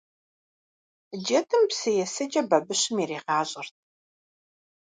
Джэдым псы есыкӀэ бабыщым иригъащӀэрт.